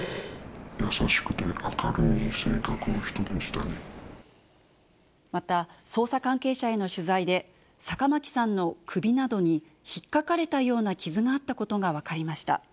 優しくて明るい性格の人でしまた捜査関係者への取材で、坂巻さんの首などに、ひっかかれたような傷があったことが分かりました。